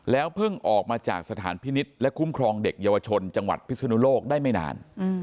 เพิ่งออกมาจากสถานพินิษฐ์และคุ้มครองเด็กเยาวชนจังหวัดพิศนุโลกได้ไม่นาน